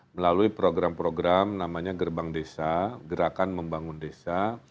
melalui program program namanya gerbang desa gerakan membangun desa